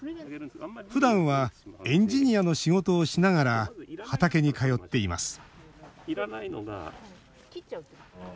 ふだんはエンジニアの仕事をしながら畑に通っています